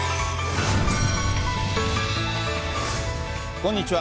こんにちは。